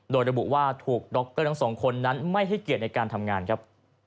โดยระบุว่าถูกดรทั้งสองคนนั้นไม่ให้เกียรติในการทำงานครับ